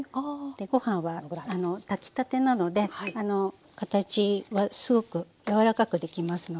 ご飯は炊きたてなので形はすごく柔らかくできますので。